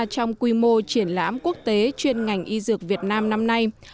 trong quy mô triển lãm quốc tế chuyên ngành y dược việt nam năm nay